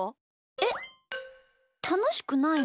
えったのしくないの？